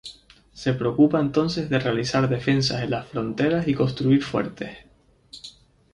Se preocupa entonces de realizar defensas en las fronteras y construir fuertes.